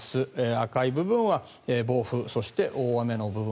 赤い部分は暴風そして大雨の部分